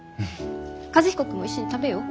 和彦君も一緒に食べよう。